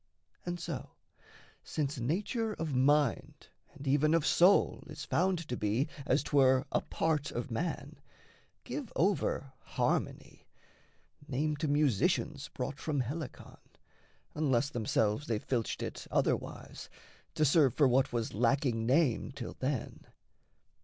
And so, since nature of mind And even of soul is found to be, as 'twere, A part of man, give over "harmony" Name to musicians brought from Helicon, Unless themselves they filched it otherwise, To serve for what was lacking name till then.